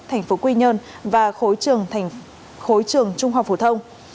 thành phố quy nhơn và khối trường trung hoa phủ thông